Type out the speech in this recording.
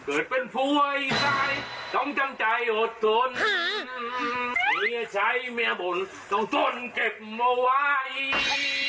เกิดเป็นภวยใส่ต้องจำใจอดทน